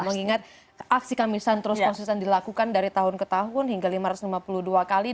mengingat aksi kamisan terus konsisten dilakukan dari tahun ke tahun hingga lima ratus lima puluh dua kali